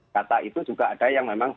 data itu juga ada yang memang